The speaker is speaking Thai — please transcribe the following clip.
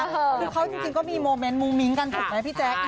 คือเขาจริงก็มีโมเมนต์มุ้งมิ้งกันถูกไหมพี่แจ๊ค